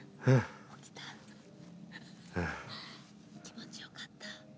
気持ちよかった？